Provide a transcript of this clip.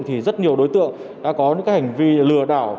thì rất nhiều đối tượng đã có những hành vi lừa đảo